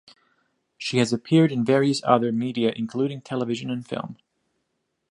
She has appeared in various other media including television and film.